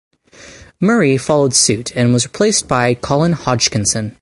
Murray followed suit, and was replaced by Colin Hodgkinson.